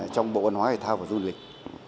trong bộ văn hóa hệ thao và du lịch